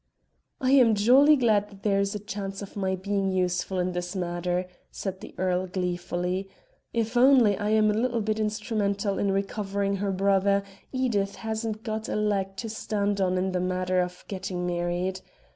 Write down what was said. "I am jolly glad that there is a chance of my being useful in this matter," said the earl gleefully. "If only I am a little bit instrumental in recovering her brother, Edith hasn't got a leg to stand on in the matter of getting married.